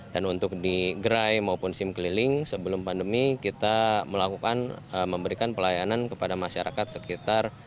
dan untuk di gerai maupun sim keliling sebelum pandemi kita melakukan memberikan pelayanan kepada masyarakat sekitar empat ratus sampai lima ratus pemohon